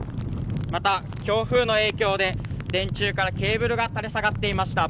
また、強風の影響で電柱からケーブルが垂れ下がっていました。